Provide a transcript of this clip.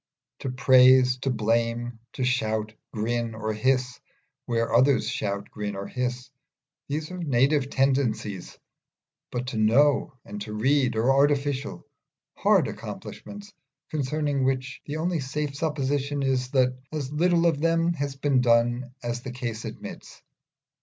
To praise, to blame, to shout, grin, or hiss, where others shout, grin, or hiss these are native tendencies; but to know and to read are artificial, hard accomplishments, concerning which the only safe supposition is, that as little of them has been done as the case admits.